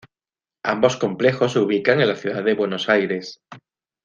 Ambos complejos se ubican en la ciudad de Buenos Aires.